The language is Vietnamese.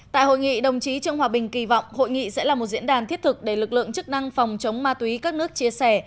tại hội nghị đồng chí trương hòa bình kỳ vọng hội nghị sẽ là một diễn đàn thiết thực để lực lượng chức năng phòng chống ma túy các nước chia sẻ